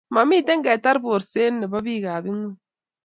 Mamiten ketar borset nebo biikab ingweny